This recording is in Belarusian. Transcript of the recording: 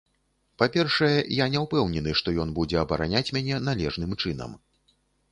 Па-першае, я не ўпэўнены, што ён будзе абараняць мяне належным чынам.